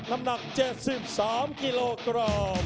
กันต่อแพทย์จินดอร์